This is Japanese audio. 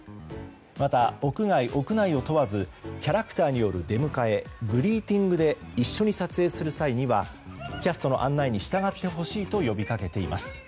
また屋外・屋内を問わずキャラクターによる出迎えグリーティングで一緒に撮影する際にはキャストの案内に従ってほしいと呼びかけています。